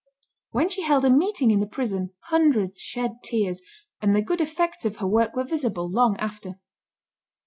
When she held a meeting in the prison, hundreds shed tears, and the good effects of her work were visible long after.